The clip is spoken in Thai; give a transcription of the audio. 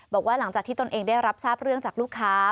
บอกว่าหลังจากที่ตนเองได้รับทราบเรื่องจากลูกค้า